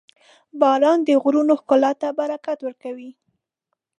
• باران د غرونو ښکلا ته برکت ورکوي.